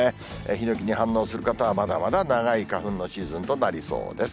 ヒノキに反応する方は、まだまだ長い花粉のシーズンとなりそうです。